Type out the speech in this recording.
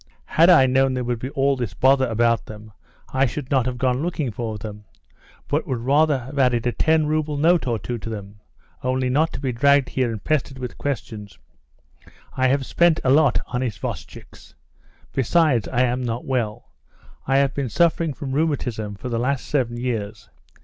Had I known there would be all this bother about them I should not have gone looking for them, but would rather have added a ten rouble note or two to them, only not to be dragged here and pestered with questions. I have spent a lot on isvostchiks. Besides, I am not well. I have been suffering from rheumatism for the last seven years."